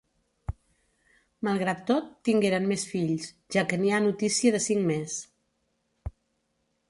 Malgrat tot, tingueren més fills, ja que n'hi ha notícia de cinc més.